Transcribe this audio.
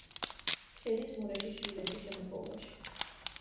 შედის მურეშის ჟუდეცის შემადგენლობაში.